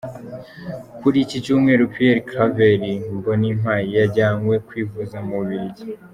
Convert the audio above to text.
Kuri iki cyumweru Pierre Claver Mbonimpa yajyanywe kwivuza mu mu Bubiligi.